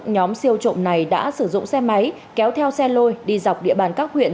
nhóm siêu trộm này đã sử dụng xe máy kéo theo xe lôi đi dọc địa bàn các huyện